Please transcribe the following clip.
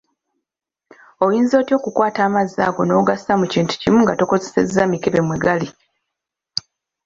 Oyinza otya okukwata amazzi ago n’ogassa mu kintu kimu nga tokozesezza mikebe mwe gali.